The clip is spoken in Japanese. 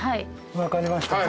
分かりました。